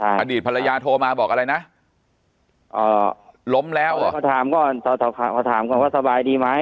อดีตภรรยาโทรมาบอกอะไรนะล้มแล้วเขาถามก่อนเขาถามก่อนว่าสบายดีไหม